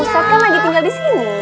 ustadz kan lagi tinggal disini